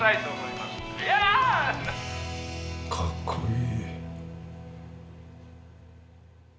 かっこいい。